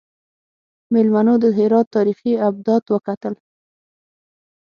میلمنو د هرات تاریخي ابدات وکتل.